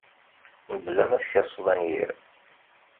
Mebla ma tkerseḍ anyir